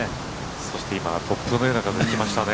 そして突風のような風が吹きましたね。